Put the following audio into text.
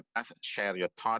dan berbagi pendapat dan pengalaman